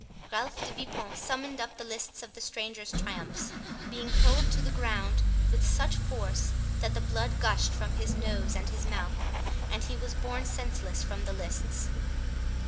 Ralph de Vipont summed up the list of the stranger's triumphs, being hurled to the ground with such force, that the blood gushed from his nose and his mouth, and he was borne senseless from the lists.